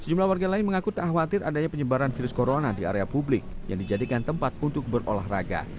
sejumlah warga lain mengaku tak khawatir adanya penyebaran virus corona di area publik yang dijadikan tempat untuk berolahraga